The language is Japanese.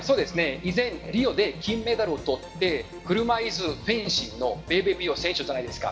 以前リオで金メダルをとって車いすフェンシングのベベ選手じゃないですか。